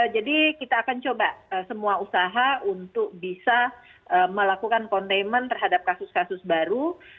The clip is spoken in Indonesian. jadi kita akan coba semua usaha untuk bisa melakukan containment terhadap kasus kasus baru